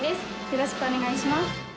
よろしくお願いします。